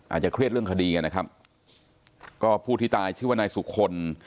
อาจจะเครียดเรื่องคดีกันนะครับก็ผู้ที่ตายชื่อว่านายสุคล